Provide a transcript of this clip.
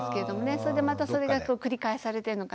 それでまたそれが繰り返されてるのかな。